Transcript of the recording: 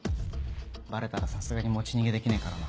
バレたらさすがに持ち逃げできねえからな。